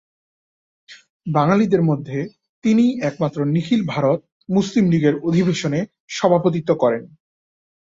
বাঙালিদের মধ্যে তিনিই একমাত্র নিখিল ভারত মুসলিম লীগের অধিবেশনে সভাপতিত্ব করেন।